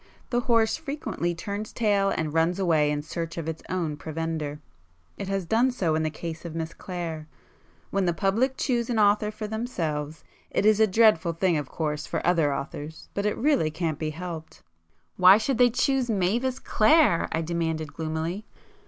The horse frequently turns tail and runs away in search of its own provender,—it has done so in the case of Miss Clare. When the public choose an author for themselves, it is a dreadful thing of course for other authors,—but it really can't be helped!" "Why should they choose Mavis Clare?" I demanded gloomily.